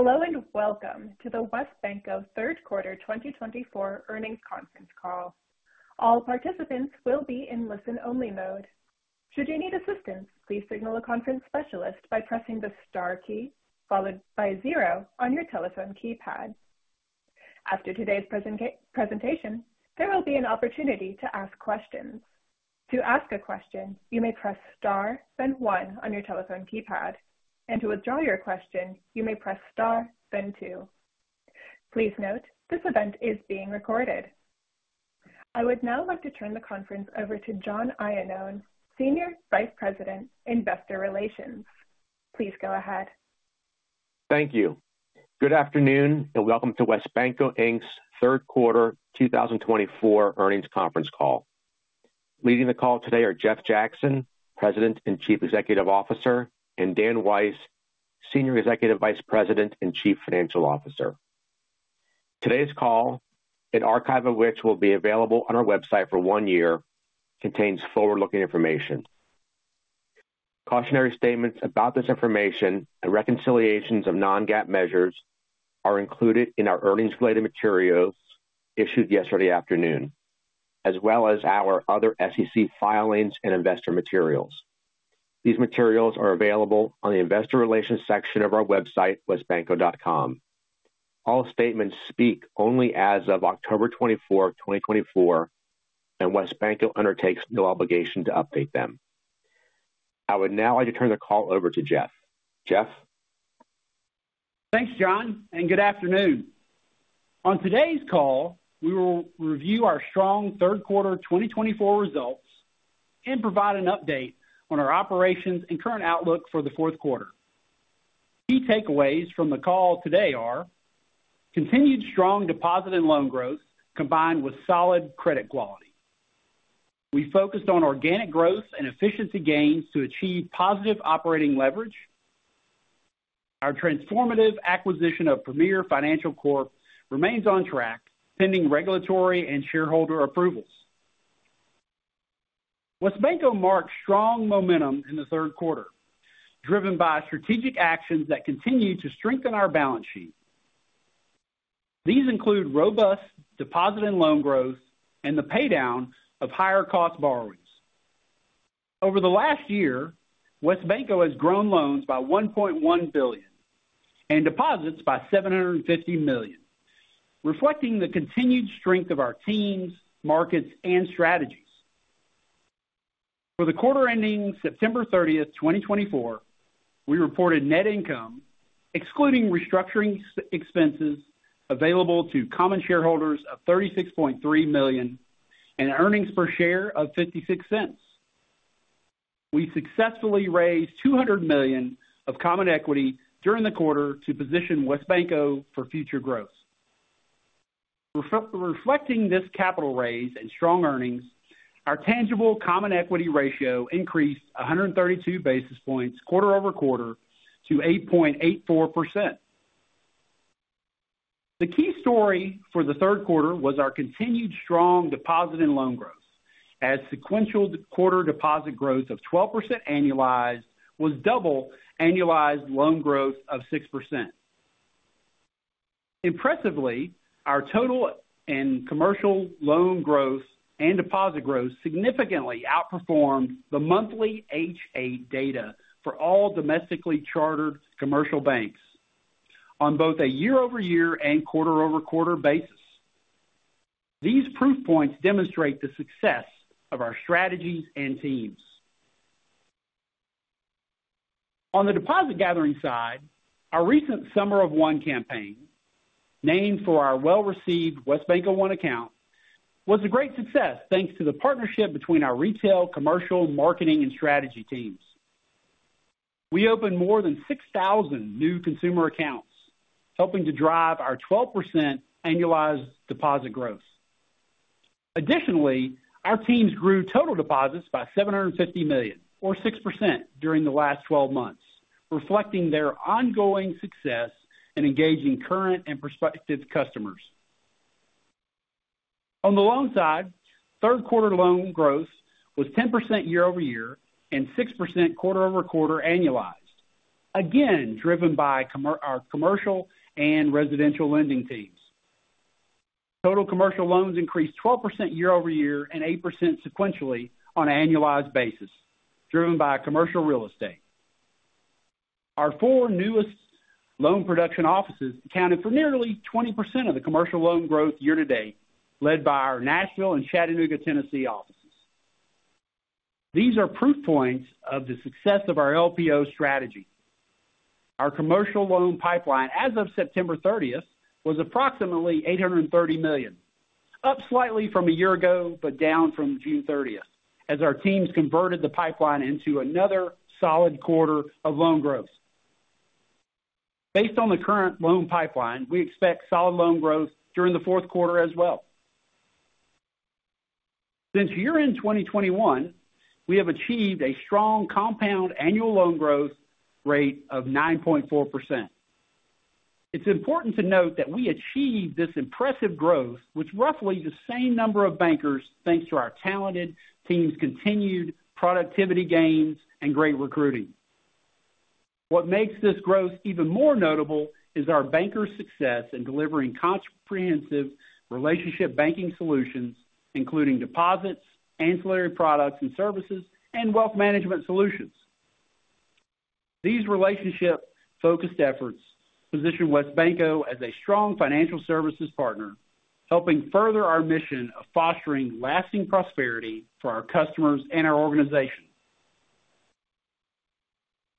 Hello, and welcome to the WesBanco third quarter twenty twenty-four earnings conference call. All participants will be in listen-only mode. Should you need assistance, please signal a conference specialist by pressing the star key followed by zero on your telephone keypad. After today's presentation, there will be an opportunity to ask questions. To ask a question, you may press star then one on your telephone keypad, and to withdraw your question, you may press star then two. Please note, this event is being recorded. I would now like to turn the conference over to John Iannone, Senior Vice President, Investor Relations. Please go ahead. Thank you. Good afternoon, and welcome to WesBanco Inc.'s third quarter 2024 earnings conference call. Leading the call today are Jeff Jackson, President and Chief Executive Officer, and Dan Weiss, Senior Executive Vice President and Chief Financial Officer. Today's call, an archive of which will be available on our website for one year, contains forward-looking information. Cautionary statements about this information and reconciliations of non-GAAP measures are included in our earnings-related materials issued yesterday afternoon, as well as our other SEC filings and investor materials. These materials are available on the Investor Relations section of our website, wesbanco.com. All statements speak only as of October twenty-fourth, 2024, and WesBanco undertakes no obligation to update them. I would now like to turn the call over to Jeff. Jeff? Thanks, John, and good afternoon. On today's call, we will review our strong third quarter 2024 results and provide an update on our operations and current outlook for the fourth quarter. Key takeaways from the call today are: continued strong deposit and loan growth, combined with solid credit quality. We focused on organic growth and efficiency gains to achieve positive operating leverage. Our transformative acquisition of Premier Financial Corp remains on track, pending regulatory and shareholder approvals. WesBanco marked strong momentum in the third quarter, driven by strategic actions that continue to strengthen our balance sheet. These include robust deposit and loan growth and the paydown of higher cost borrowings. Over the last year, WesBanco has grown loans by $1.1 billion and deposits by $750 million, reflecting the continued strength of our teams, markets, and strategies. For the quarter ending September thirtieth, twenty twenty-four, we reported net income, excluding restructuring expenses available to common shareholders of $36.3 million and earnings per share of $0.56. We successfully raised $200 million of common equity during the quarter to position WesBanco for future growth. Reflecting this capital raise and strong earnings, our tangible common equity ratio increased 132 basis points quarter-over-quarter to 8.84%. The key story for the third quarter was our continued strong deposit and loan growth, as sequential quarter deposit growth of 12% annualized was double annualized loan growth of 6%. Impressively, our total and commercial loan growth and deposit growth significantly outperformed the monthly H.8 data for all domestically chartered commercial banks on both a year-over-year and quarter-over-quarter basis. These proof points demonstrate the success of our strategies and teams. On the deposit gathering side, our recent Summer of One campaign, named for our well-received WesBanco One Account, was a great success, thanks to the partnership between our retail, commercial, marketing, and strategy teams. We opened more than 6,000 new consumer accounts, helping to drive our 12% annualized deposit growth. Additionally, our teams grew total deposits by $750 million, or 6% during the last twelve months, reflecting their ongoing success in engaging current and prospective customers. On the loan side, third quarter loan growth was 10% year-over-year and 6% quarter-over-quarter annualized, again, driven by our commercial and residential lending teams. Total commercial loans increased 12% year-over-year and 8% sequentially on an annualized basis, driven by commercial real estate. Our four newest loan production offices accounted for nearly 20% of the commercial loan growth year to date, led by our Nashville and Chattanooga, Tennessee, offices. These are proof points of the success of our LPO strategy. Our commercial loan pipeline, as of September thirtieth, was approximately $830 million, up slightly from a year ago, but down from June thirtieth, as our teams converted the pipeline into another solid quarter of loan growth. Based on the current loan pipeline, we expect solid loan growth during the fourth quarter as well. Since year-end 2021, we have achieved a strong compound annual loan growth rate of 9.4%. It's important to note that we achieved this impressive growth, with roughly the same number of bankers, thanks to our talented teams' continued productivity gains and great recruiting. What makes this growth even more notable is our bankers' success in delivering comprehensive relationship banking solutions, including deposits, ancillary products and services, and wealth management solutions. These relationship-focused efforts position WesBanco as a strong financial services partner, helping further our mission of fostering lasting prosperity for our customers and our organization.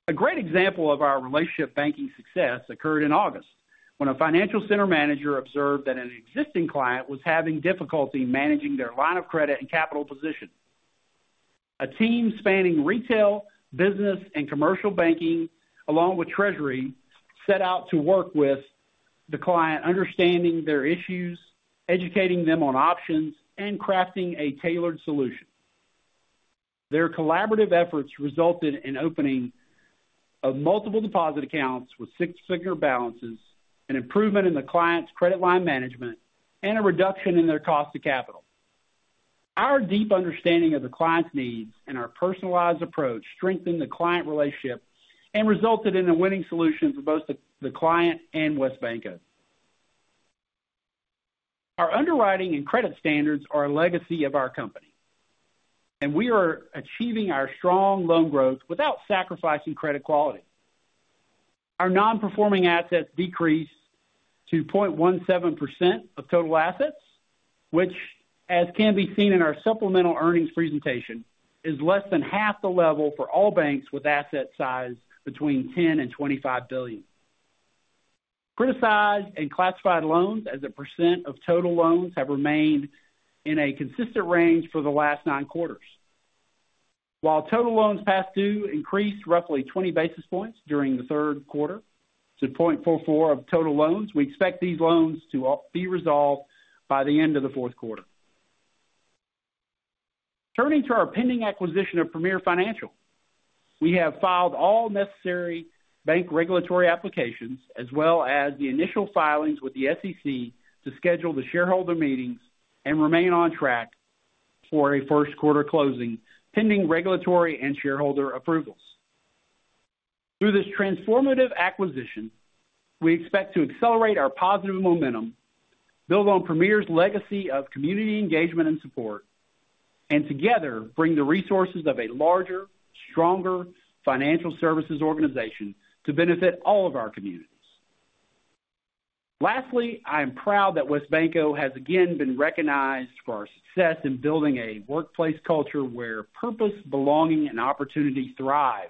A great example of our relationship banking success occurred in August, when a financial center manager observed that an existing client was having difficulty managing their line of credit and capital position. A team spanning retail, business, and commercial banking, along with treasury, set out to work with the client, understanding their issues, educating them on options, and crafting a tailored solution. Their collaborative efforts resulted in opening of multiple deposit accounts with six-figure balances, an improvement in the client's credit line management, and a reduction in their cost of capital. Our deep understanding of the client's needs and our personalized approach strengthened the client relationship and resulted in a winning solution for both the client and WesBanco. Our underwriting and credit standards are a legacy of our company, and we are achieving our strong loan growth without sacrificing credit quality. Our non-performing assets decreased to 0.17% of total assets, which, as can be seen in our supplemental earnings presentation, is less than half the level for all banks with asset size between 10 billion and 25 billion. Criticized and classified loans as a percent of total loans have remained in a consistent range for the last nine quarters. While total loans past due increased roughly 20 basis points during the third quarter to 0.44% of total loans, we expect these loans to be resolved by the end of the fourth quarter. Turning to our pending acquisition of Premier Financial, we have filed all necessary bank regulatory applications, as well as the initial filings with the SEC to schedule the shareholder meetings and remain on track for a first quarter closing, pending regulatory and shareholder approvals. Through this transformative acquisition, we expect to accelerate our positive momentum, build on Premier's legacy of community engagement and support, and together bring the resources of a larger, stronger financial services organization to benefit all of our communities. Lastly, I am proud that WesBanco has again been recognized for our success in building a workplace culture where purpose, belonging, and opportunity thrive.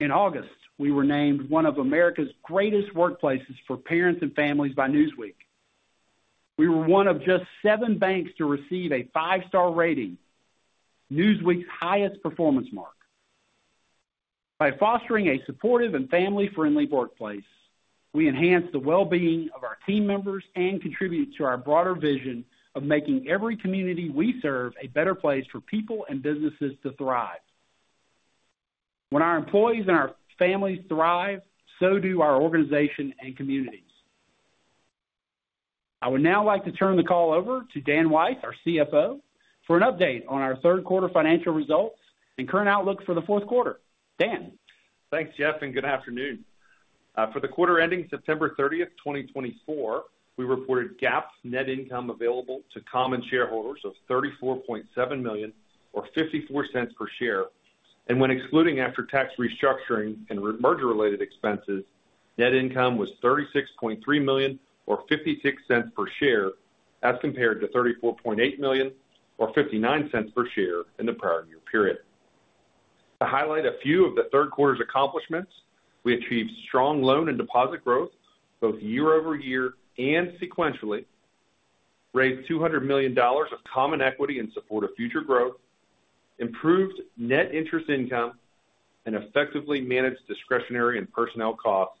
In August, we were named one of America's Greatest Workplaces for Parents and Families by Newsweek. We were one of just seven banks to receive a five-star rating, Newsweek's highest performance mark. By fostering a supportive and family-friendly workplace, we enhance the well-being of our team members and contribute to our broader vision of making every community we serve a better place for people and businesses to thrive. When our employees and our families thrive, so do our organization and communities. I would now like to turn the call over to Dan Weiss, our CFO, for an update on our third quarter financial results and current outlook for the fourth quarter. Dan? Thanks, Jeff, and good afternoon. For the quarter ending September thirtieth, 2024, we reported GAAP net income available to common shareholders of $34.7 million, or $0.54 per share. When excluding after-tax restructuring and merger-related expenses, net income was $36.3 million, or $0.56 per share, as compared to $34.8 million, or $0.59 per share in the prior year period. To highlight a few of the third quarter's accomplishments, we achieved strong loan and deposit growth, both year-over-year and sequentially, raised $200 million of common equity in support of future growth, improved net interest income, and effectively managed discretionary and personnel costs.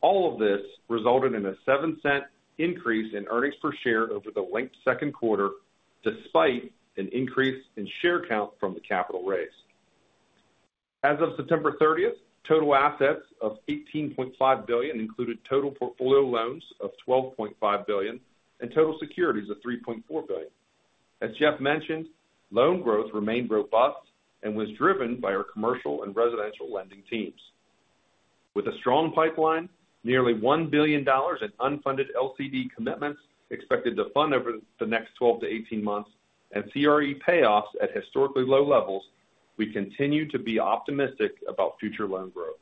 All of this resulted in a $0.07 increase in earnings per share over the linked second quarter, despite an increase in share count from the capital raise. As of September thirtieth, total assets of $18.5 billion included total portfolio loans of $12.5 billion and total securities of $3.4 billion. As Jeff mentioned, loan growth remained robust and was driven by our commercial and residential lending teams. With a strong pipeline, nearly $1 billion in unfunded LCD commitments expected to fund over the next 12-18 months, and CRE payoffs at historically low levels, we continue to be optimistic about future loan growth.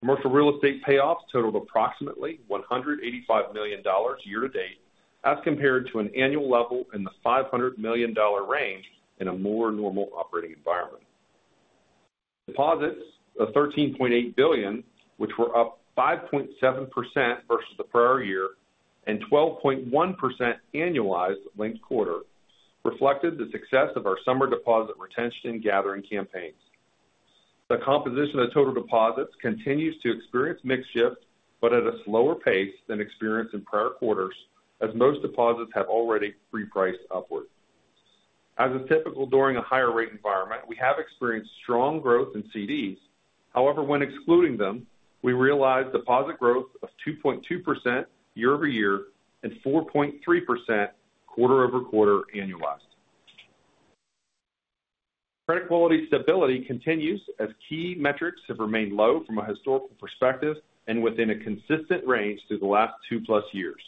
Commercial real estate payoffs totaled approximately $185 million year to date, as compared to an annual level in the $500 million range in a more normal operating environment. Deposits of $13.8 billion, which were up 5.7% versus the prior year and 12.1% annualized linked quarter, reflected the success of our summer deposit retention gathering campaigns. The composition of total deposits continues to experience mixed shift, but at a slower pace than experienced in prior quarters, as most deposits have already repriced upward. As is typical during a higher rate environment, we have experienced strong growth in CDs. However, when excluding them, we realized deposit growth of 2.2% year-over-year and 4.3% quarter-over-quarter annualized. Credit quality stability continues as key metrics have remained low from a historical perspective and within a consistent range through the last two-plus years.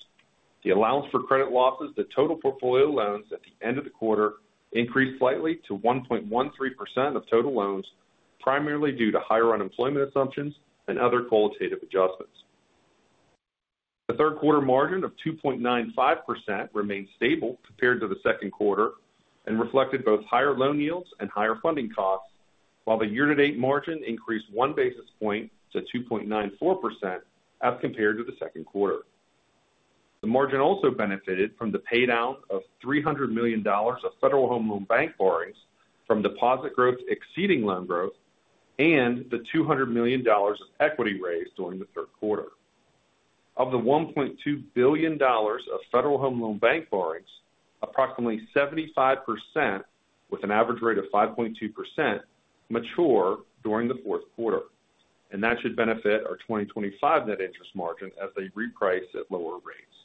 The allowance for credit losses, the total portfolio loans at the end of the quarter increased slightly to 1.13% of total loans, primarily due to higher unemployment assumptions and other qualitative adjustments. The third quarter margin of 2.95% remained stable compared to the second quarter and reflected both higher loan yields and higher funding costs, while the year-to-date margin increased one basis point to 2.94% as compared to the second quarter. The margin also benefited from the paydown of $300 million of Federal Home Loan Bank borrowings from deposit growth exceeding loan growth, and the $200 million of equity raised during the third quarter. Of the $1.2 billion of Federal Home Loan Bank borrowings, approximately 75%, with an average rate of 5.2%, mature during the fourth quarter, and that should benefit our 2025 net interest margin as they reprice at lower rates.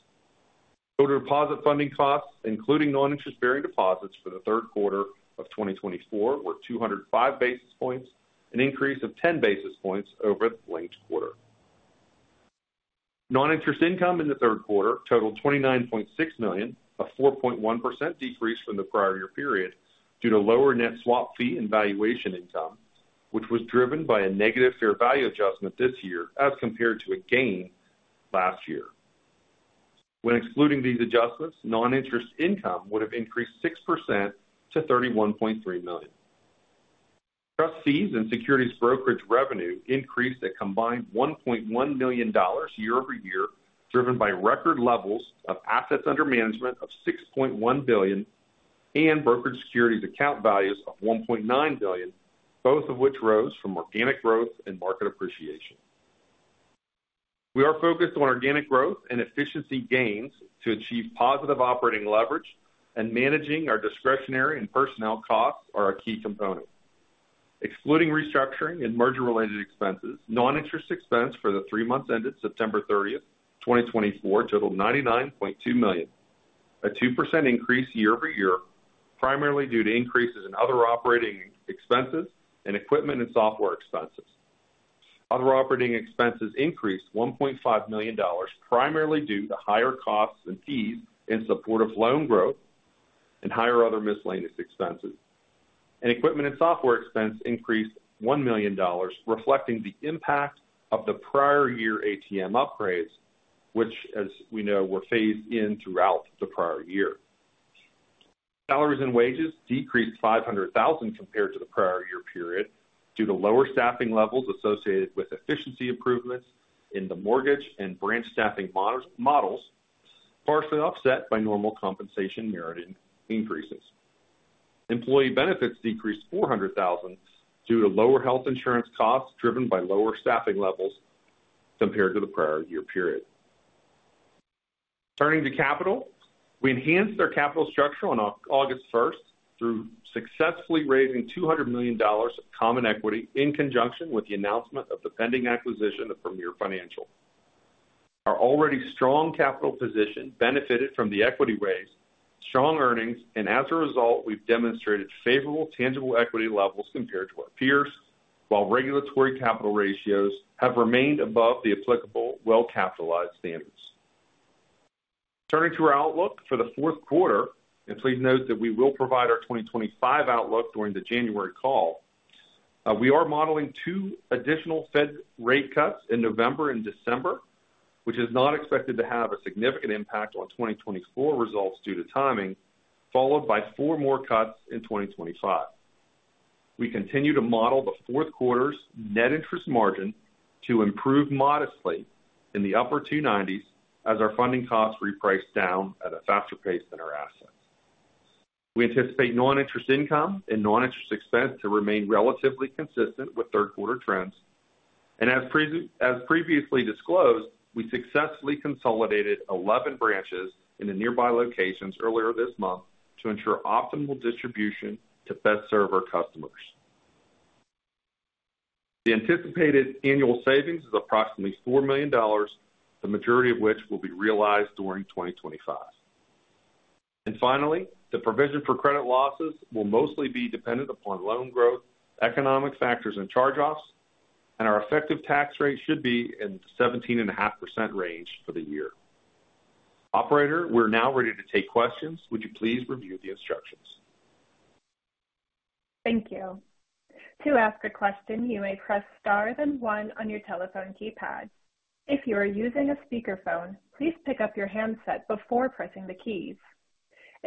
Total deposit funding costs, including non-interest-bearing deposits for the third quarter of 2024, were 205 basis points, an increase of 10 basis points over the linked quarter. Non-interest income in the third quarter totaled $29.6 million, a 4.1% decrease from the prior year period due to lower net swap fee and valuation income, which was driven by a negative fair value adjustment this year as compared to a gain last year. When excluding these adjustments, non-interest income would have increased 6% to $31.3 million. Trust fees and securities brokerage revenue increased a combined $1.1 million year-over-year, driven by record levels of assets under management of $6.1 billion and brokerage securities account values of $1.9 billion, both of which rose from organic growth and market appreciation. We are focused on organic growth and efficiency gains to achieve positive operating leverage, and managing our discretionary and personnel costs are a key component. Excluding restructuring and merger-related expenses, non-interest expense for the three months ended September thirtieth, 2024, totaled $99.2 million, a 2% increase year-over-year, primarily due to increases in other operating expenses and equipment and software expenses. Other operating expenses increased $1.5 million, primarily due to higher costs and fees in support of loan growth and higher other miscellaneous expenses. Equipment and software expense increased $1 million, reflecting the impact of the prior year ATM upgrades, which, as we know, were phased in throughout the prior year. Salaries and wages decreased $500,000 compared to the prior year period, due to lower staffing levels associated with efficiency improvements in the mortgage and branch staffing models, partially offset by normal compensation merit increases. Employee benefits decreased $400,000 due to lower health insurance costs driven by lower staffing levels compared to the prior year period. Turning to capital, we enhanced our capital structure on August first through successfully raising $200 million of common equity in conjunction with the announcement of the pending acquisition of Premier Financial. Our already strong capital position benefited from the equity raise, strong earnings, and as a result, we've demonstrated favorable tangible equity levels compared to our peers, while regulatory capital ratios have remained above the applicable well-capitalized standards. Turning to our outlook for the fourth quarter, and please note that we will provide our 2025 outlook during the January call. We are modeling two additional Fed rate cuts in November and December, which is not expected to have a significant impact on 2024 results due to timing, followed by four more cuts in 2025. We continue to model the fourth quarter's net interest margin to improve modestly in the upper two nineties as our funding costs reprice down at a faster pace than our assets. We anticipate non-interest income and non-interest expense to remain relatively consistent with third quarter trends. As previously disclosed, we successfully consolidated eleven branches into nearby locations earlier this month to ensure optimal distribution to best serve our customers. The anticipated annual savings is approximately $4 million, the majority of which will be realized during 2025. Finally, the provision for credit losses will mostly be dependent upon loan growth, economic factors, and charge-offs, and our effective tax rate should be in the 17.5% range for the year. Operator, we're now ready to take questions. Would you please review the instructions? Thank you. To ask a question, you may press star then one on your telephone keypad. If you are using a speakerphone, please pick up your handset before pressing the keys.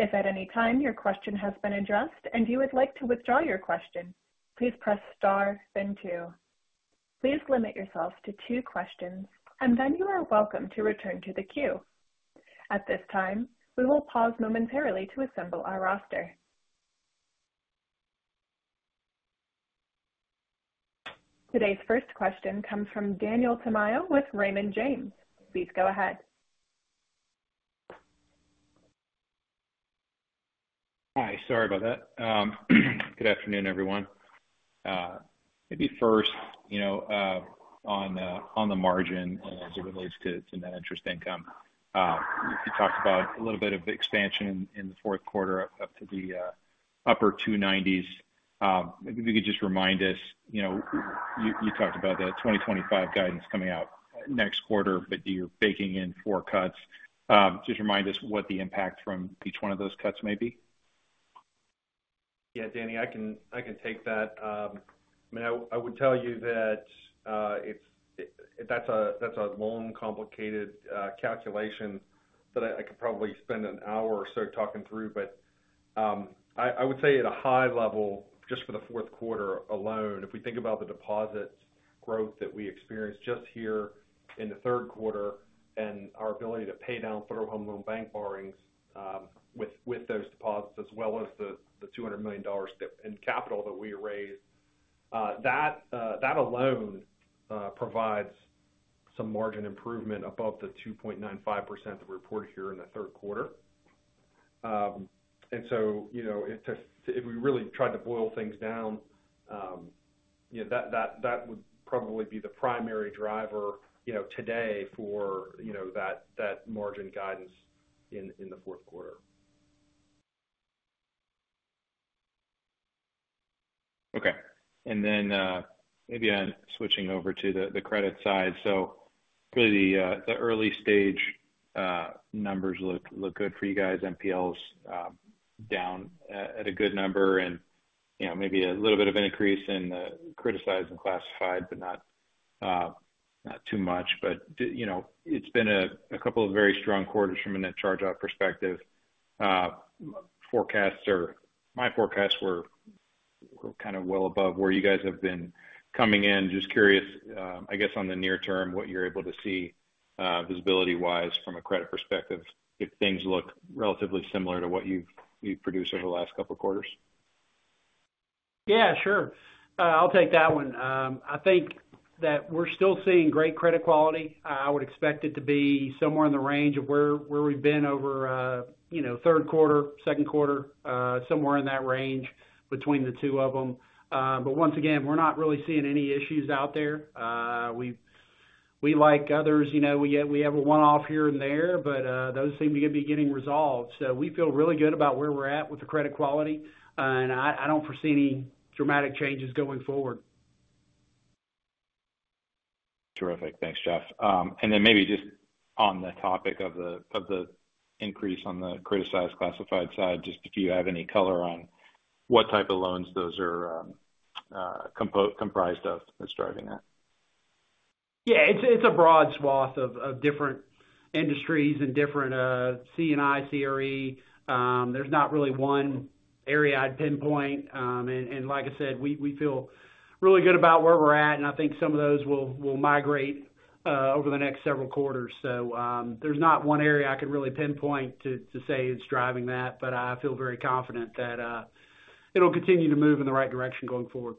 If at any time your question has been addressed and you would like to withdraw your question, please press star then two. Please limit yourselves to two questions, and then you are welcome to return to the queue. At this time, we will pause momentarily to assemble our roster. Today's first question comes from Daniel Tamayo with Raymond James. Please go ahead. Hi, sorry about that. Good afternoon, everyone. Maybe first, you know, on the margin as it relates to net interest income. You talked about a little bit of expansion in the fourth quarter up to the upper two nineties. Maybe you could just remind us, you know, you talked about the 2025 guidance coming out next quarter, but you're baking in four cuts. Just remind us what the impact from each one of those cuts may be. Yeah, Danny, I can, I can take that. I mean, I would tell you that that's a long, complicated calculation that I could probably spend an hour or so talking through. But I would say at a high level, just for the fourth quarter alone, if we think about the deposits growth that we experienced just here in the third quarter and our ability to pay down Federal Home Loan Bank borrowings with those deposits as well as the $200 million in capital that we raised, that alone provides some margin improvement above the 2.95% reported here in the third quarter. And so, you know, if we really tried to boil things down, you know, that, that, would probably be the primary driver, you know, today for, you know, that, that margin guidance in the fourth quarter. Okay. And then, maybe on switching over to the credit side. So clearly, the early stage numbers look good for you guys. NPLs down at a good number and, you know, maybe a little bit of an increase in the criticized and classified, but not too much. But, you know, it's been a couple of very strong quarters from a net charge-off perspective. Forecasts or my forecasts were kind of well above where you guys have been coming in. Just curious, I guess, on the near term, what you're able to see visibility-wise from a credit perspective, if things look relatively similar to what you've produced over the last couple of quarters. Yeah, sure. I'll take that one. I think that we're still seeing great credit quality. I would expect it to be somewhere in the range of where we've been over, you know, third quarter, second quarter, somewhere in that range between the two of them. But once again, we're not really seeing any issues out there. We like others, you know, we have a one-off here and there, but those seem to be getting resolved. So we feel really good about where we're at with the credit quality, and I don't foresee any dramatic changes going forward. Terrific. Thanks, Jeff, and then maybe just on the topic of the increase on the criticized classified side, just if you have any color on what type of loans those are, comprised of that's driving that? Yeah, it's a broad swath of different industries and different C&I, CRE. There's not really one area I'd pinpoint. And like I said, we feel really good about where we're at, and I think some of those will migrate over the next several quarters. So, there's not one area I could really pinpoint to say it's driving that, but I feel very confident that it'll continue to move in the right direction going forward.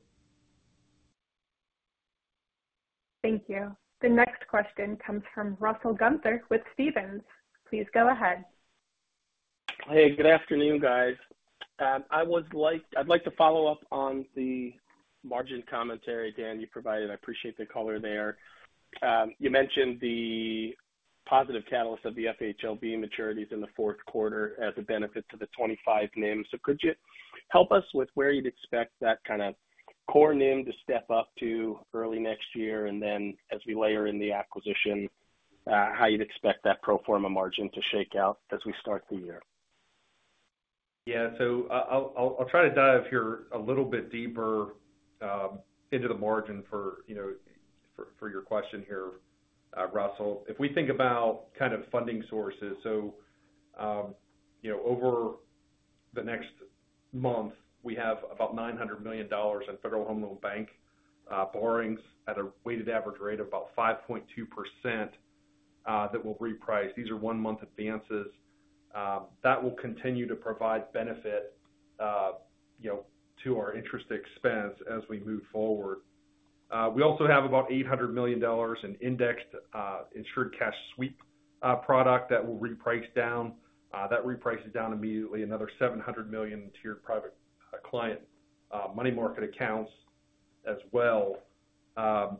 Thank you. The next question comes from Russell Gunther with Stephens. Please go ahead. Hey, good afternoon, guys. I'd like to follow up on the margin commentary, Dan, you provided. I appreciate the color there. You mentioned the positive catalyst of the FHLB maturities in the fourth quarter as a benefit to the 2025 NIM. So could you help us with where you'd expect that kind of core NIM to step up to early next year? And then as we layer in the acquisition, how you'd expect that pro forma margin to shake out as we start the year? Yeah. So I'll try to dive here a little bit deeper into the margin for, you know, for your question here, Russell. If we think about kind of funding sources, so, you know, over the next month, we have about $900 million in Federal Home Loan Bank borrowings at a weighted average rate of about 5.2% that will reprice. These are one-month advances that will continue to provide benefit, you know, to our interest expense as we move forward. We also have about $800 million in indexed Insured Cash Sweep product that will reprice down. That reprices down immediately, another $700 million to your Private Client money market accounts as well. Kind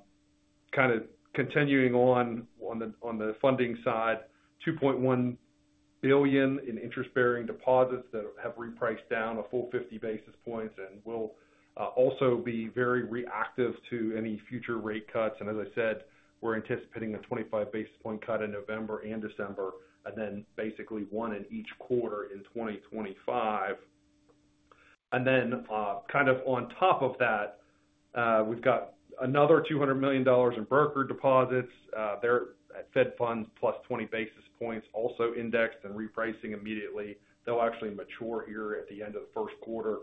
of continuing on the funding side, $2.1 billion in interest-bearing deposits that have repriced down a full 50 basis points and will also be very reactive to any future rate cuts. And as I said, we're anticipating a 25 basis point cut in November and December, and then basically one in each quarter in 2025. And then, kind of on top of that, we've got another $200 million in brokered deposits. They're at Fed funds plus 20 basis points, also indexed and repricing immediately. They'll actually mature here at the end of the first quarter.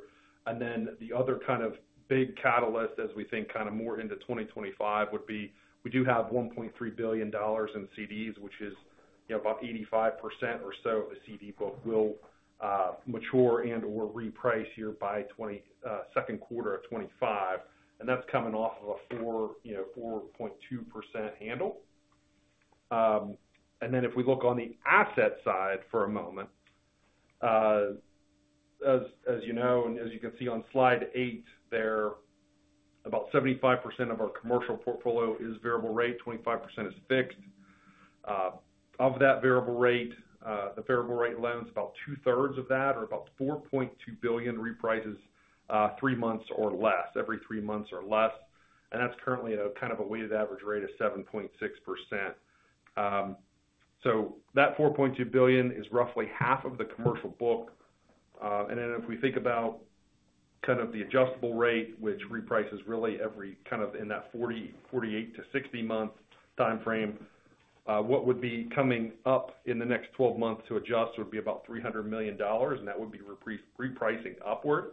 And then the other kind of big catalyst, as we think, kind of more into 2025, would be, we do have $1.3 billion in CDs, which is, you know, about 85% or so of the CD book will mature and/or reprice here by second quarter of 2025, and that's coming off of a 4.2% handle. And then if we look on the asset side for a moment, as you know, and as you can see on slide 8 there, about 75% of our commercial portfolio is variable rate, 25% is fixed. Of that variable rate, the variable rate loan is about two-thirds of that, or about $4.2 billion reprices three months or less, every three months or less. That's currently a kind of a weighted average rate of 7.6%. So that $4.2 billion is roughly half of the commercial book. And then if we think about kind of the adjustable rate, which reprices really every kind of in that 40, 48 to 60 month time frame, what would be coming up in the next twelve months to adjust would be about $300 million, and that would be repricing upward.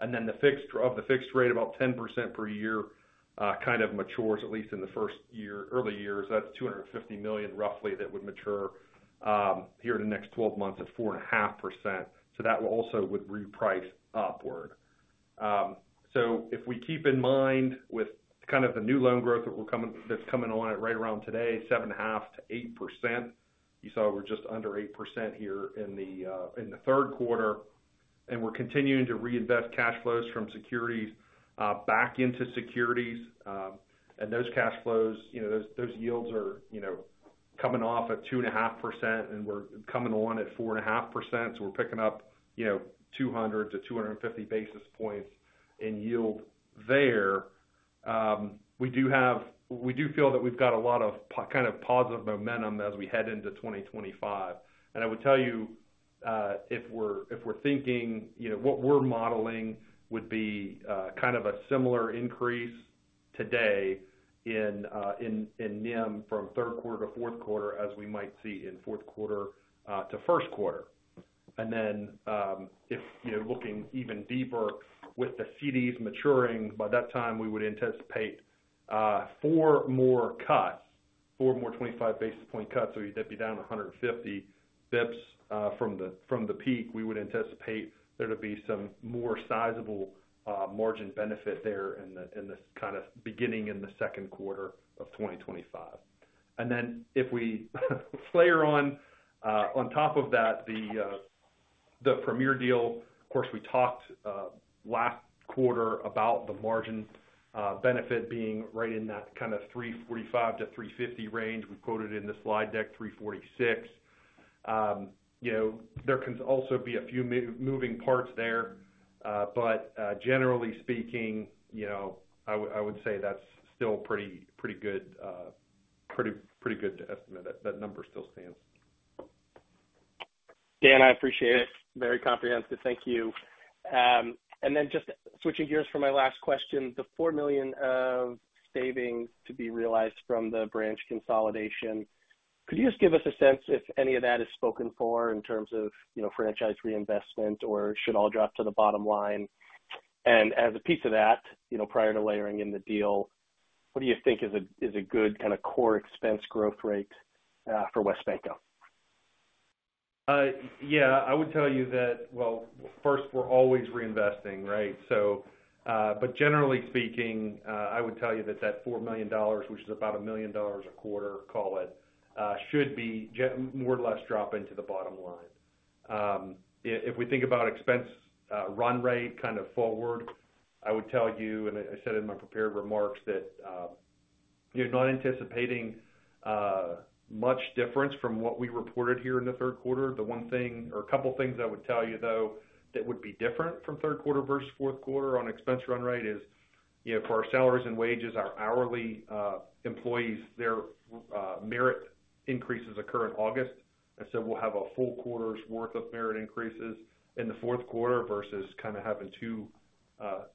And then of the fixed rate, about 10% per year, kind of matures, at least in the first year, early years. That's $250 million, roughly, that would mature here in the next twelve months at 4.5%. So that also would reprice upward. So if we keep in mind with kind of the new loan growth that will come that's coming on it right around today, 7.5%-8%. You saw we're just under 8% here in the third quarter, and we're continuing to reinvest cash flows from securities back into securities. And those cash flows, you know, those yields are, you know, coming off at 2.5%, and we're coming on at 4.5%. So we're picking up, you know, 200-250 basis points in yield there. We do feel that we've got a lot of positive momentum as we head into 2025. And I would tell you, if we're thinking, you know, what we're modeling would be kind of a similar increase today in NIM from third quarter to fourth quarter, as we might see in fourth quarter to first quarter. And then, if you know, looking even deeper with the CDs maturing, by that time, we would anticipate four more cuts, four more 25 basis point cuts. So you'd be down one hundred and fifty basis points from the peak. We would anticipate there to be some more sizable margin benefit there in this kind of beginning in the second quarter of 2025. And then if we layer on, on top of that, the Premier deal, of course, we talked last quarter about the margin benefit being right in that kind of three forty-five to three fifty range. We quoted in the slide deck, three forty-six. You know, there can also be a few moving parts there. But, generally speaking, you know, I would, I would say that's still pretty, pretty good, pretty, pretty good estimate. That number still stands. Dan, I appreciate it. Very comprehensive. Thank you. And then just switching gears for my last question, the $4 million of savings to be realized from the branch consolidation. Could you just give us a sense if any of that is spoken for in terms of, you know, franchise reinvestment or should all drop to the bottom line? And as a piece of that, you know, prior to layering in the deal, what do you think is a good kind of core expense growth rate for WesBanco? Yeah, I would tell you that. First, we're always reinvesting, right? So, but generally speaking, I would tell you that that $4 million, which is about $1 million a quarter, call it, should be more or less drop into the bottom line. If we think about expense run rate kind of forward, I would tell you, and I said in my prepared remarks, that you're not anticipating much difference from what we reported here in the third quarter. The one thing or a couple of things I would tell you, though, that would be different from third quarter versus fourth quarter on expense run rate is, you know, for our salaries and wages, our hourly employees, their merit increases occur in August. And so we'll have a full quarter's worth of merit increases in the fourth quarter versus kind of having two-thirds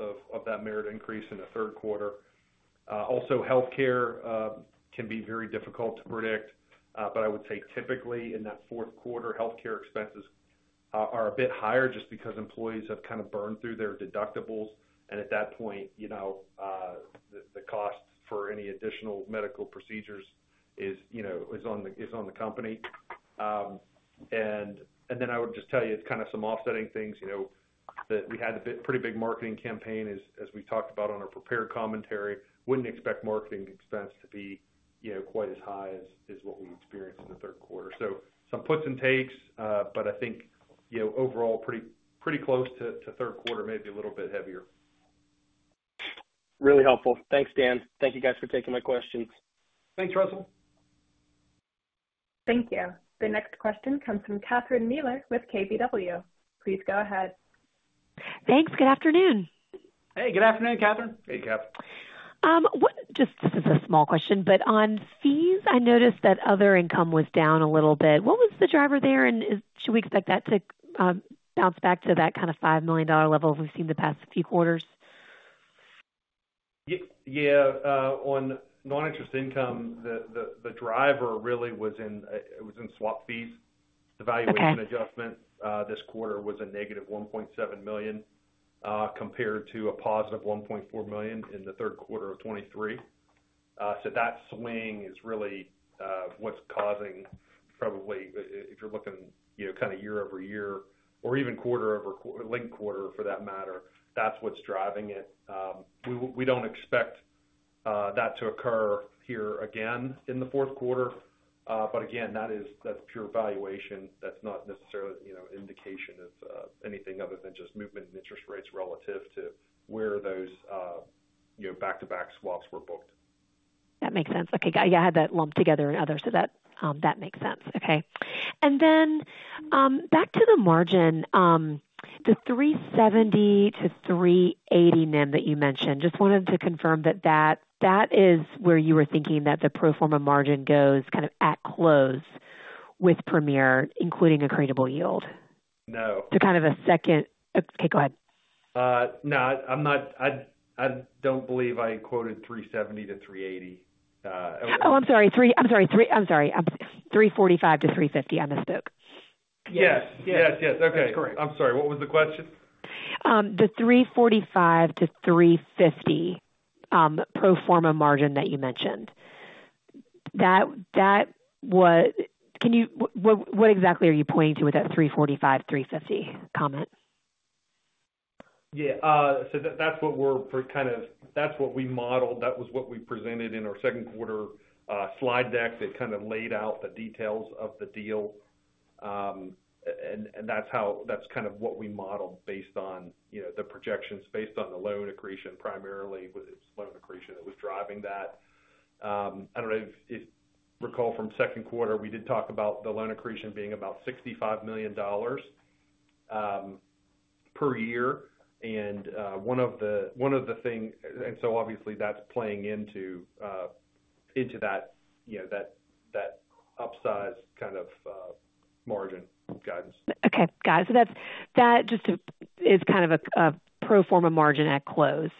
of that merit increase in the third quarter. Also, healthcare can be very difficult to predict, but I would say typically in that fourth quarter, healthcare expenses are a bit higher just because employees have kind of burned through their deductibles, and at that point, you know, the cost for any additional medical procedures is on the company, and then I would just tell you, it's kind of some offsetting things, you know, that we had a bit pretty big marketing campaign as we talked about on our prepared commentary. Wouldn't expect marketing expense to be, you know, quite as high as what we experienced in the third quarter. Some puts and takes, but I think, you know, overall, pretty, pretty close to third quarter, maybe a little bit heavier. Really helpful. Thanks, Dan. Thank you guys for taking my questions. Thanks, Russell. Thank you. The next question comes from Catherine Mealor with KBW. Please go ahead. Thanks. Good afternoon. Hey, good afternoon, Catherine. Hey, Kat. Just this is a small question, but on fees, I noticed that other income was down a little bit. What was the driver there, and should we expect that to bounce back to that kind of $5 million level we've seen the past few quarters? Yeah, on non-interest income, the driver really was in swap fees. Okay. The valuation adjustment this quarter was a negative $1.7 million compared to a positive $1.4 million in the third quarter of 2023. So that swing is really what's causing probably if you're looking, you know, kind of year-over-year or even quarter-over-quarter linked quarter for that matter, that's what's driving it. We don't expect that to occur here again in the fourth quarter. But again, that's pure valuation. That's not necessarily, you know, indication of anything other than just movement in interest rates relative to where those, you know, back-to-back swaps were booked. That makes sense. Okay, got yeah, I had that lumped together in other, so that, that makes sense. Okay. And then, back to the margin, the 3.70%-3.80% NIM that you mentioned, just wanted to confirm that that is where you were thinking that the pro forma margin goes kind of at close with Premier, including accretable yield? No. To kind of a second. Okay, go ahead. No, I'm not. I don't believe I quoted 3.70%-3.80%. Oh, I'm sorry. 3.45%-3.50%. I misspoke. Yes. Yes, yes. Okay. That's correct. I'm sorry. What was the question? The 3.45%-3.50% pro forma margin that you mentioned. What exactly are you pointing to with that 3.45%-3.50% comment? Yeah, so that's what we're kind of. That's what we modeled. That was what we presented in our second quarter slide deck, that kind of laid out the details of the deal. And that's how. That's kind of what we modeled based on, you know, the projections, based on the loan accretion, primarily with loan accretion that was driving that. I don't know if you recall from second quarter, we did talk about the loan accretion being about $65 million per year. And one of the things, and so obviously, that's playing into that, you know, that upsized kind of margin guidance. Okay, got it. So that's, that just to is kind of a pro forma margin at close.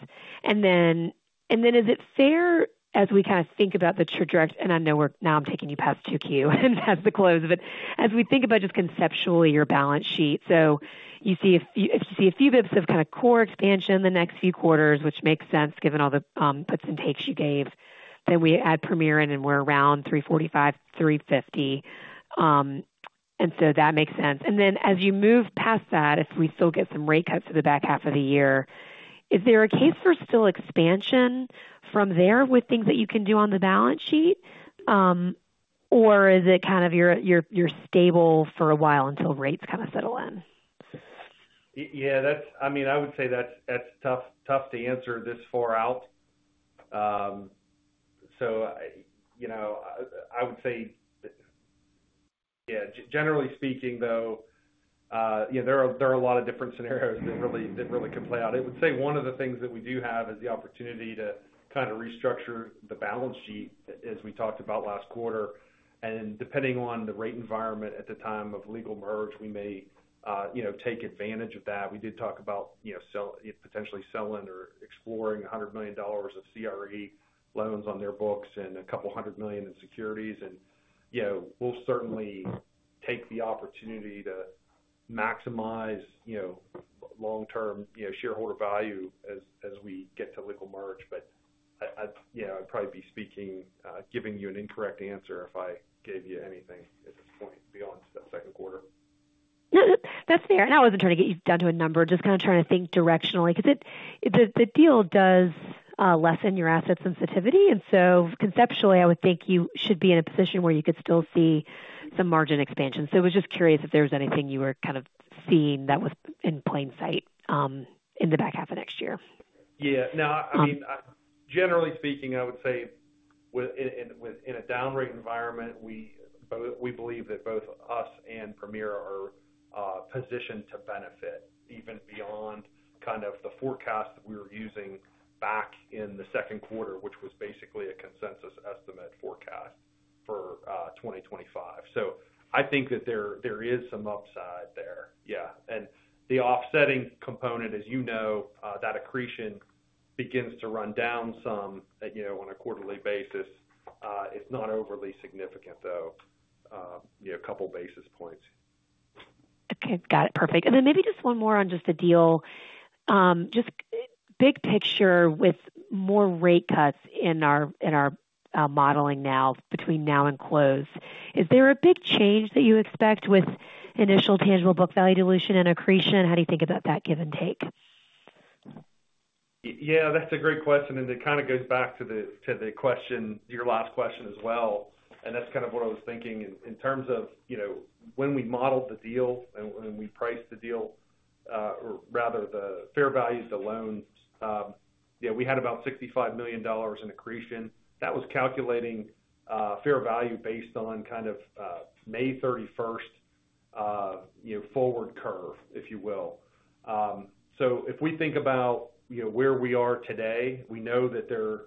And then is it fair as we kind of think about the trajectory, and I know we're, now I'm taking you past 2Q and past the close, but as we think about just conceptually, your balance sheet. So you see, if you see a few bits of kind of core expansion in the next few quarters, which makes sense given all the puts and takes you gave, then we add Premier in, and we're around 3.45%-3.50%. And so that makes sense. And then as you move past that, if we still get some rate cuts for the back half of the year, is there a case for still expansion from there with things that you can do on the balance sheet? Or is it kind of you're stable for a while until rates kind of settle in? that's - I mean, I would say that's tough to answer this far out. So, you know, I would say, yeah, generally speaking, though, yeah, there are a lot of different scenarios that really can play out. I would say one of the things that we do have is the opportunity to kind of restructure the balance sheet, as we talked about last quarter. And depending on the rate environment at the time of legal merge, we may, you know, take advantage of that. We did talk about, you know, potentially selling or exploring $100 million of CRE loans on their books and $200 million in securities. And, you know, we'll certainly take the opportunity to maximize, you know, long-term, you know, shareholder value as we get to legal merge. But I, you know, I'd probably be speaking, giving you an incorrect answer if I gave you anything at this point beyond the second quarter. That's fair. And I wasn't trying to get you down to a number, just kind of trying to think directionally, because the deal does lessen your asset sensitivity. And so conceptually, I would think you should be in a position where you could still see some margin expansion. So I was just curious if there was anything you were kind of seeing that was in plain sight, in the back half of next year. Yeah. No, I mean, generally speaking, I would say in a down rate environment, we believe that both us and Premier are positioned to benefit even beyond kind of the forecast that we were using back in the second quarter, which was basically a consensus estimate forecast for 2025. So I think that there is some upside there. Yeah, and the offsetting component, as you know, that accretion begins to run down some, you know, on a quarterly basis. It's not overly significant, though, you know, a couple basis points. Okay, got it. Perfect. And then maybe just one more on just the deal. Just big picture with more rate cuts in our modeling now, between now and close, is there a big change that you expect with initial tangible book value dilution and accretion? How do you think about that give and take? Yeah, that's a great question, and it kind of goes back to the, to the question, your last question as well, and that's kind of what I was thinking. In, in terms of, you know, when we modeled the deal and, and we priced the deal, or rather the fair values, the loans, yeah, we had about $65 million in accretion. That was calculating, fair value based on kind of, May 31st, you know, forward curve, if you will. So if we think about, you know, where we are today, we know that there,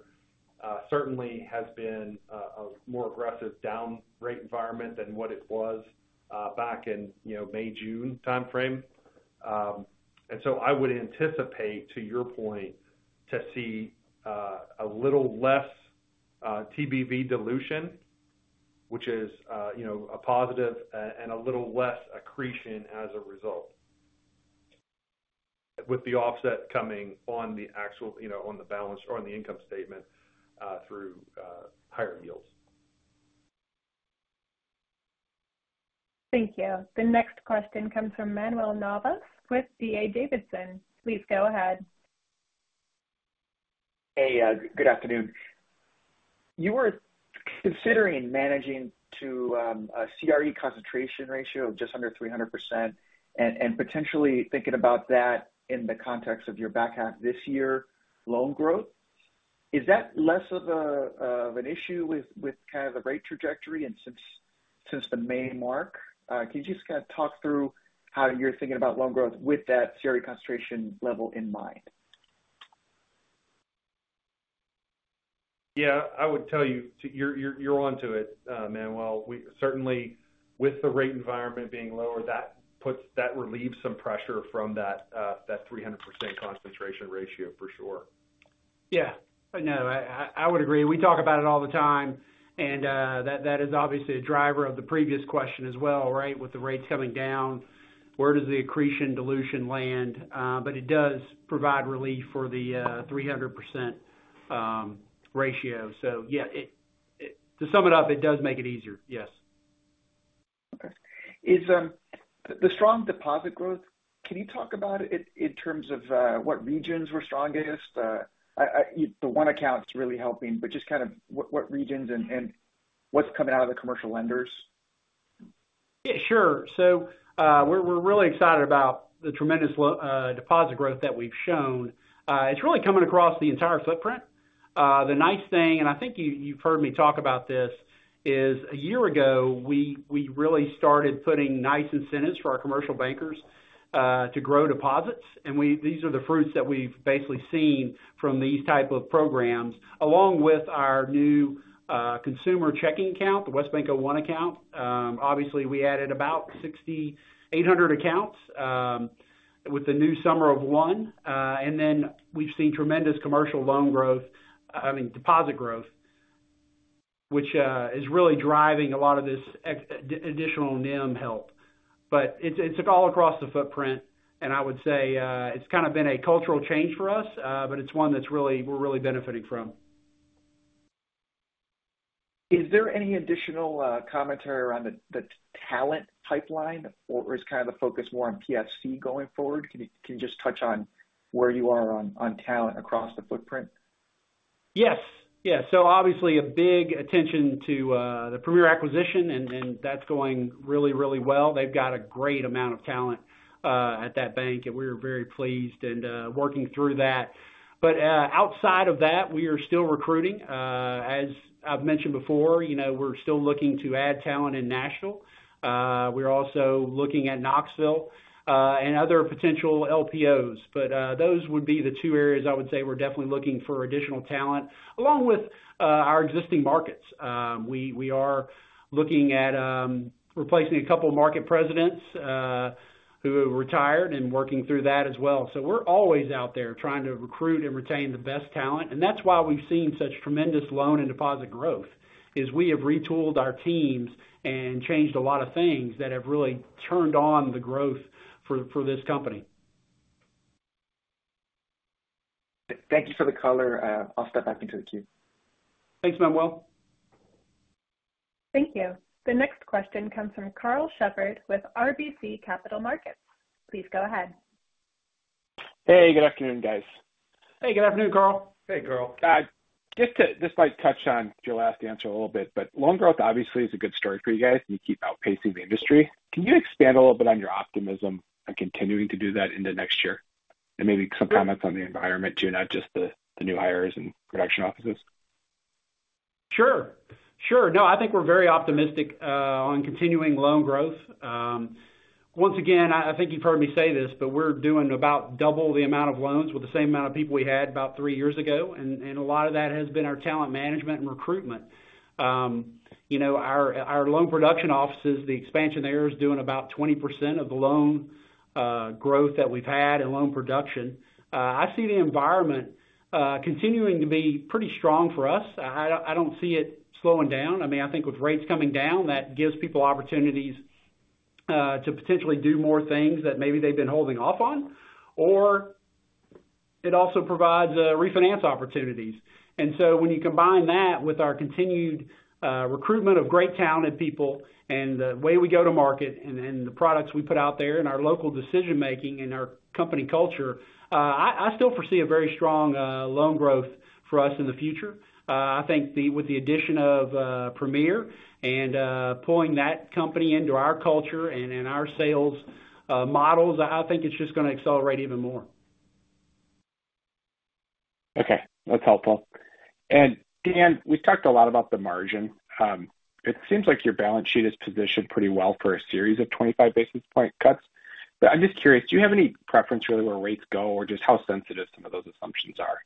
certainly has been, a more aggressive down rate environment than what it was, back in, you know, May, June timeframe. And so I would anticipate, to your point, to see a little less TBV dilution, which is, you know, a positive and a little less accretion as a result, with the offset coming on the actual, you know, on the balance or on the income statement, through higher yields. Thank you. The next question comes from Manuel Navas with D.A. Davidson. Please go ahead. Hey, good afternoon. You were considering managing to a CRE concentration ratio of just under 300% and potentially thinking about that in the context of your back half this year loan growth. Is that less of an issue with kind of the rate trajectory and since the May mark? Can you just kind of talk through how you're thinking about loan growth with that CRE concentration level in mind? Yeah, I would tell you, you're onto it, Manuel. We certainly with the rate environment being lower, that relieves some pressure from that 300% concentration ratio, for sure. Yeah. I know, I would agree. We talk about it all the time, and that is obviously a driver of the previous question as well, right? With the rates coming down, where does the accretion dilution land? But it does provide relief for the 300% ratio. So yeah, it... To sum it up, it does make it easier. Yes. Okay. Is the strong deposit growth, can you talk about it in terms of what regions were strongest? The one account's really helping, but just kind of what regions and what's coming out of the commercial lenders? Yeah, sure. So, we're really excited about the tremendous deposit growth that we've shown. It's really coming across the entire footprint. The nice thing, and I think you, you've heard me talk about this, is a year ago, we really started putting nice incentives for our commercial bankers to grow deposits. And these are the fruits that we've basically seen from these type of programs, along with our new consumer checking account, the WesBanco One Account. Obviously, we added about 6,800 accounts with the new Summer of One, and then we've seen tremendous commercial loan growth, I mean, deposit growth, which is really driving a lot of this additional NIM help. But it's all across the footprint, and I would say, it's kind of been a cultural change for us, but it's one that's really, we're really benefiting from. Is there any additional commentary on the talent pipeline, or is kind of the focus more on PFC going forward? Can you just touch on where you are on talent across the footprint? Yes. Yeah, so obviously a big attention to the Premier acquisition, and that's going really, really well. They've got a great amount of talent at that bank, and we're very pleased and working through that. But outside of that, we are still recruiting. As I've mentioned before, you know, we're still looking to add talent in Nashville. We're also looking at Knoxville and other potential LPOs. But those would be the two areas I would say we're definitely looking for additional talent, along with our existing markets. We are looking at replacing a couple of market presidents who have retired and working through that as well. So we're always out there trying to recruit and retain the best talent, and that's why we've seen such tremendous loan and deposit growth, is we have retooled our teams and changed a lot of things that have really turned on the growth for this company. Thank you for the color. I'll step back into the queue. Thanks, Manuel. Thank you. The next question comes from Karl Shepherd with RBC Capital Markets. Please go ahead. Hey, good afternoon, guys. Hey, good afternoon, Karl. Hey, Karl. Just to touch on your last answer a little bit, but loan growth obviously is a good story for you guys. You keep outpacing the industry. Can you expand a little bit on your optimism on continuing to do that into next year? And maybe some comments on the environment too, not just the new hires and production offices. Sure. Sure. No, I think we're very optimistic on continuing loan growth. Once again, I think you've heard me say this, but we're doing about double the amount of loans with the same amount of people we had about three years ago, and a lot of that has been our talent management and recruitment. You know, our loan production offices, the expansion there is doing about 20% of the loan growth that we've had in loan production. I see the environment continuing to be pretty strong for us. I don't see it slowing down. I mean, I think with rates coming down, that gives people opportunities to potentially do more things that maybe they've been holding off on, or it also provides refinance opportunities. And so when you combine that with our continued recruitment of great talented people and the way we go to market and the products we put out there and our local decision-making and our company culture, I still foresee a very strong loan growth for us in the future. I think with the addition of Premier and pulling that company into our culture and in our sales models, I think it's just going to accelerate even more. Okay, that's helpful, and Dan, we've talked a lot about the margin. It seems like your balance sheet is positioned pretty well for a series of 25 basis point cuts, but I'm just curious: do you have any preference, really, where rates go or just how sensitive some of those assumptions are?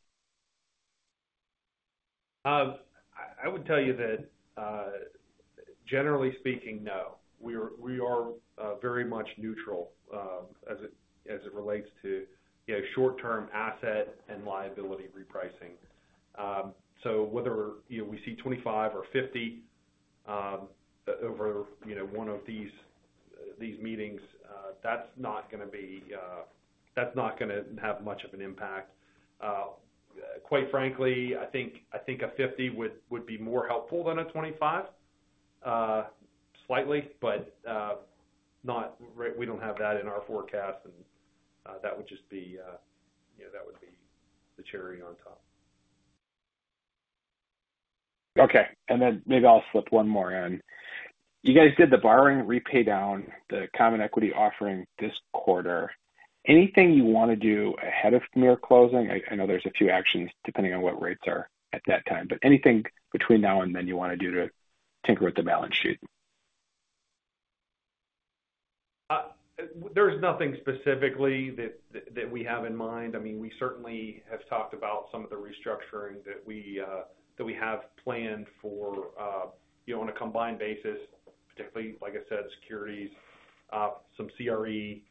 I would tell you that, generally speaking, no. We're very much neutral, as it relates to, you know, short-term asset and liability repricing. So whether, you know, we see 25 or 50, over, you know, one of these meetings, that's not gonna be, that's not gonna have much of an impact. Quite frankly, I think a 50 would be more helpful than a 25, slightly, but we don't have that in our forecast. And that would just be, you know, that would be the cherry on top. Okay, and then maybe I'll slip one more in. You guys did the borrowings paydown, the common equity offering this quarter. Anything you want to do ahead of near closing? I know there's a few actions depending on what rates are at that time, but anything between now and then you want to do to tinker with the balance sheet? There's nothing specifically that we have in mind. I mean, we certainly have talked about some of the restructuring that we have planned for, you know, on a combined basis, particularly, like I said, securities, some CRE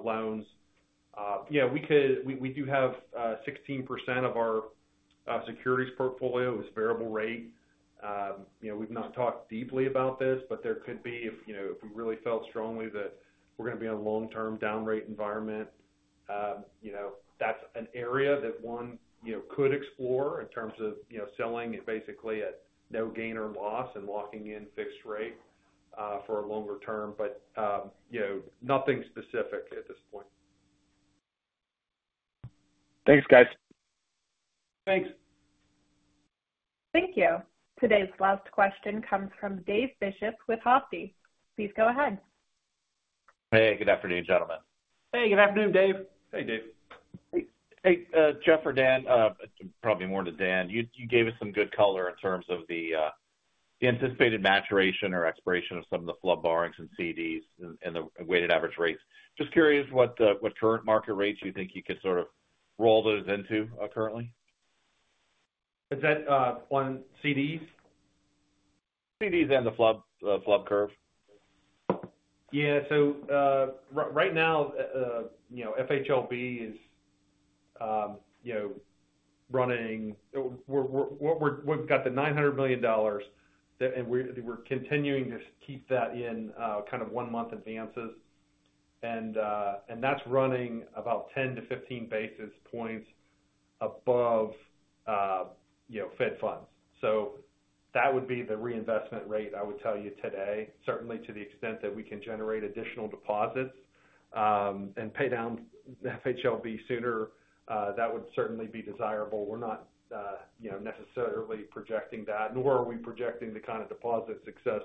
loans. Yeah, we do have, 16% of our securities portfolio is variable rate. You know, we've not talked deeply about this, but there could be if, you know, if we really felt strongly that we're going to be in a long-term down rate environment, you know, that's an area that one, you know, could explore in terms of, you know, selling it basically at no gain or loss and locking in fixed rate for a longer term. But, you know, nothing specific at this point. Thanks, guys. Thanks. Thank you. Today's last question comes from Dave Bishop with Hovde Group. Please go ahead. Hey, good afternoon, gentlemen. Hey, good afternoon, Dave. Hey, Dave. Hey, hey, Jeff or Dan, probably more to Dan. You gave us some good color in terms of the anticipated maturation or expiration of some of the FHLB borrowings and CDs and the weighted average rates. Just curious what current market rates you think you could sort of roll those into currently? Is that on CDs? CDs and the flat curve. Yeah. So, right now, you know, FHLB is, you know, running. We're, we've got $900 million, that and we're continuing to keep that in kind of one-month advances. And, and that's running about 10-15 basis points above, you know, Fed Funds. So that would be the reinvestment rate I would tell you today, certainly to the extent that we can generate additional deposits and pay down the FHLB sooner, that would certainly be desirable. We're not, you know, necessarily projecting that, nor are we projecting the kind of deposit success,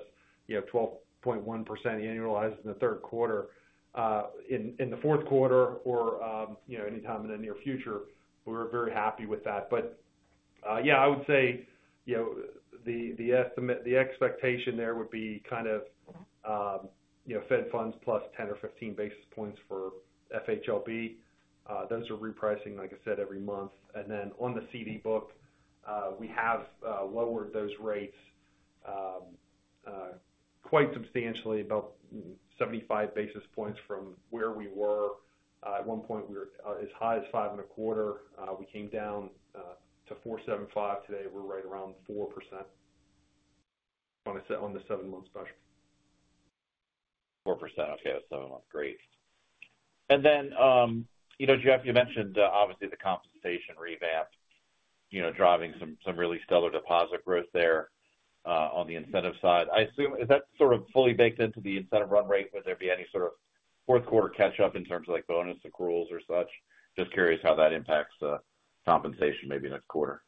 you know, 12.1% annualized in the third quarter, in the fourth quarter or, you know, anytime in the near future. We're very happy with that. But, yeah, I would say, you know, the expectation there would be kind of, you know, Fed Funds plus 10 or 15 basis points for FHLB. Those are repricing, like I said, every month. And then on the CD book, we have lowered those rates, quite substantially, about 75 basis points from where we were. At one point, we were as high as 5.25%. We came down to 4.75%. Today, we're right around 4% on the seven-month special. 4%. Okay, seven months. Great. And then, you know, Jeff, you mentioned, obviously the compensation revamp, you know, driving some really stellar deposit growth there, on the incentive side. I assume, is that sort of fully baked into the incentive run rate? Would there be any sort of fourth quarter catch up in terms of like bonus accruals or such? Just curious how that impacts the compensation maybe next quarter.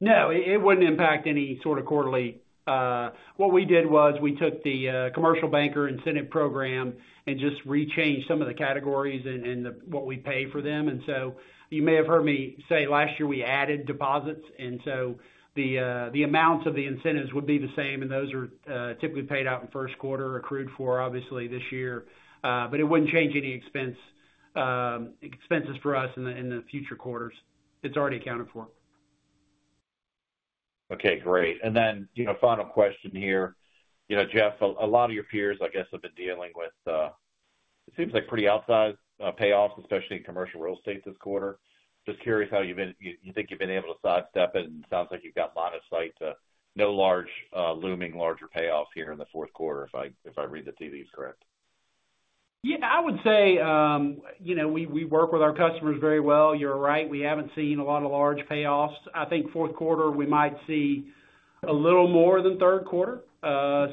No, it wouldn't impact any sort of quarterly. What we did was we took the commercial banker incentive program and just rechanged some of the categories and the what we pay for them. And so you may have heard me say last year, we added deposits, and so the amounts of the incentives would be the same, and those are typically paid out in first quarter, accrued for obviously this year. But it wouldn't change any expense, expenses for us in the future quarters. It's already accounted for. Okay, great. And then, you know, final question here. You know, Jeff, a lot of your peers, I guess, have been dealing with, it seems like pretty outsized payoffs, especially in commercial real estate this quarter. Just curious how you've been, you think you've been able to sidestep it, and it sounds like you've got line of sight to no large, looming larger payoffs here in the fourth quarter, if I read the tea leaves correct? Yeah, I would say, you know, we work with our customers very well. You're right, we haven't seen a lot of large payoffs. I think fourth quarter, we might see a little more than third quarter,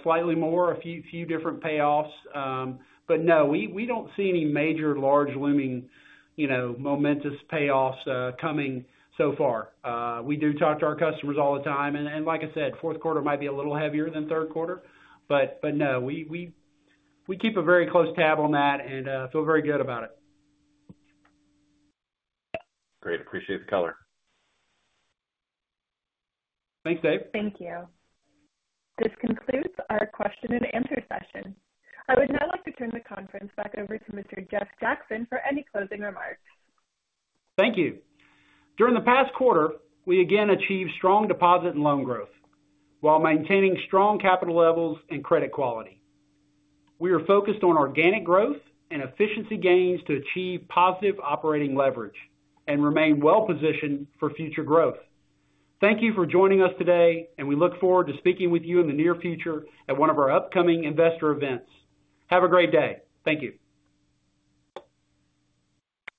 slightly more, a few different payoffs. But no, we don't see any major large looming, you know, momentous payoffs, coming so far. We do talk to our customers all the time, and like I said, fourth quarter might be a little heavier than third quarter. But no, we keep a very close tab on that and feel very good about it. Great. Appreciate the color. Thanks, Dave. Thank you. This concludes our question and answer session. I would now like to turn the conference back over to Mr. Jeff Jackson for any closing remarks. Thank you. During the past quarter, we again achieved strong deposit and loan growth while maintaining strong capital levels and credit quality. We are focused on organic growth and efficiency gains to achieve positive operating leverage and remain well positioned for future growth. Thank you for joining us today, and we look forward to speaking with you in the near future at one of our upcoming investor events. Have a great day. Thank you.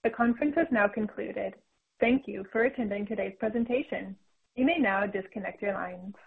The conference has now concluded. Thank you for attending today's presentation. You may now disconnect your lines.